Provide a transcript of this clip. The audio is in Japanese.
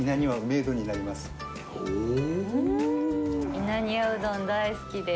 稲庭うどん大好きです。